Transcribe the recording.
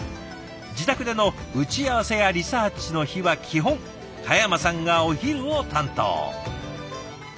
自宅での打ち合わせやリサーチの日は基本嘉山さんがお昼を担当。